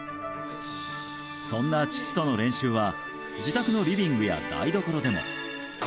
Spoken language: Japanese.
そんな父との練習は自宅のリビングや台所でも。